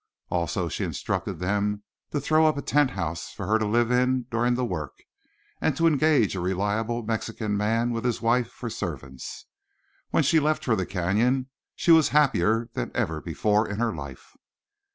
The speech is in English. Also she instructed them to throw up a tent house for her to live in during the work, and to engage a reliable Mexican man with his wife for servants. When she left for the Canyon she was happier than ever before in her life.